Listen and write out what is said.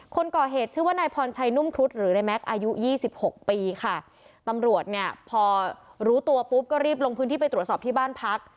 คนก่อเหตุชื่อว่านายพรชัยนุ่มครุฑหรือในแม็กซ์อายุยี่สิบหกปีค่ะตำรวจเนี่ยพอรู้ตัวปุ๊บก็รีบลงพื้นที่ไปตรวจสอบที่บ้านพัก